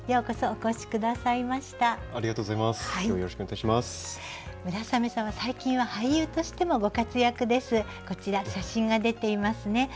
こちら写真が出ていますね。